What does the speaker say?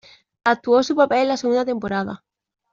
Actuó su papel en la segunda temporada.